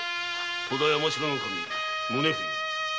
戸田山城守宗冬